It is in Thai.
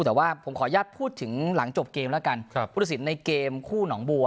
แต่ว่าผมขออนุญาตพูดถึงหลังจบเกมแล้วกันครับพุทธศิลป์ในเกมคู่หนองบัว